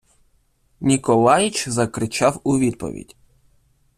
Ніколаіч закричав у відповідь.